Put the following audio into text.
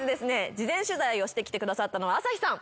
事前取材をしてきてくださったのは朝日さん。